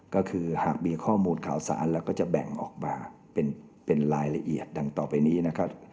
ก็คือหากมีข้อมูลข่าวสารแล้วก็จะแบ่งออกมาเป็นรายละเอียดดังต่อไปนี้นะครับ